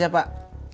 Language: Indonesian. ya siap pak